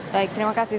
baik terima kasih